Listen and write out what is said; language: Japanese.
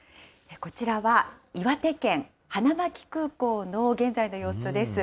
こちらは岩手県花巻空港の現在の様子です。